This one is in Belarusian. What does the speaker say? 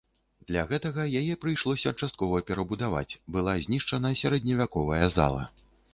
Для гэтага яе прыйшлося часткова перабудаваць, была знішчана сярэдневяковая зала.